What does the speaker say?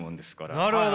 なるほど。